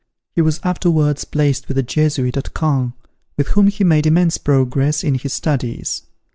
He was afterwards placed with the Jesuits at Caen, with whom he made immense progress in his studies.